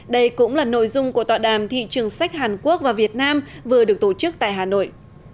đây cũng là nội dung của tọa đàm thị trường sách hàn quốc và việt nam vừa được tổ chức tại hà nội